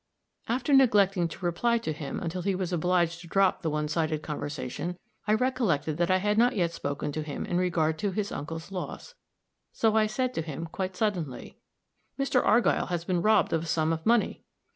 After neglecting to reply to him until he was obliged to drop the one sided conversation, I recollected that I had not yet spoken to him in regard to his uncle's loss; so I said to him quite suddenly, "Mr. Argyll has been robbed of a sum of money."